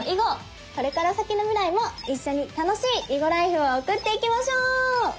これから先の未来も一緒に楽しい囲碁ライフを送っていきましょう！